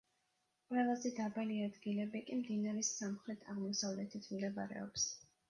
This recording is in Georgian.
ყველაზე დაბალი ადგილები კი მდინარის სამხრეთ-აღმოსავლეთით მდებარეობს.